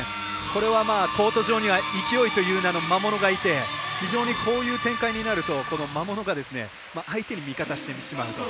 これは、コート上には勢いというナの魔物がいてこういう展開になると魔物が相手に味方してしまうと。